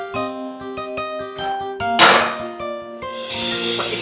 apa pak dek